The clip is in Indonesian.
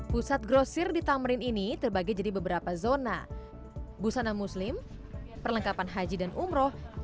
pusat grosir di tamrin ini terbagi jadi beberapa zona busana muslim perlengkapan haji dan umroh